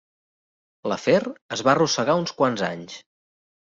L'afer es va arrossegar uns quants anys.